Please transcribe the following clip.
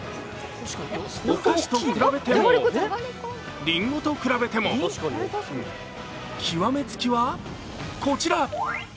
お菓子と比べても、りんごと比べても極め付きはこちら。